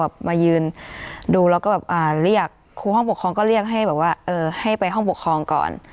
พาพอออกแบบมายืนดูแล้วก็แบบเรียกคู่ห้องปกครองก็เป็นเรียกที่ว่าให้ไปห้องปกครองก่อน